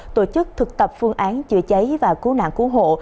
tổ chức thực tập phương án chữa cháy và cứu nạn cứu hộ